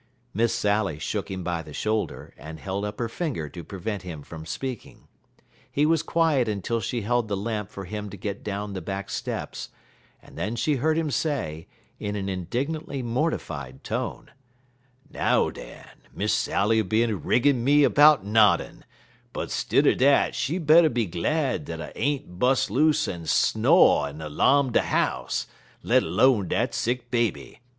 "Miss Sally" shook him by the shoulder and held up her finger to prevent him from speaking. He was quiet until she held the lamp for him to get down the back steps, and then she heard him say, in an indignantly mortified tone: "Now den, Miss Sally'll be a riggin' me 'bout noddin', but stidder dat she better be glad dat I ain't bus loose en sno' en 'larm de house let 'lone dat sick baby.